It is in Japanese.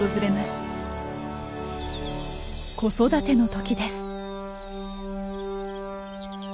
子育ての時です。